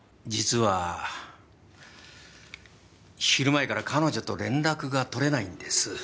実は昼前から彼女と連絡が取れないんです。